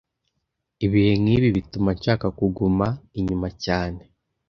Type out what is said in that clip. Ibihe nkibi bituma nshaka kuguma inyuma cyane